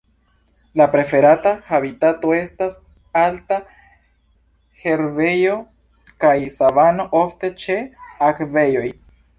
La preferata habitato estas alta herbejo kaj savano, ofte ĉe akvejoj.